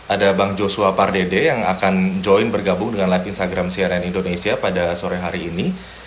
ada bang joshua pardede yang akan join bergabung dengan live instagram cnn indonesia pada sore hari ini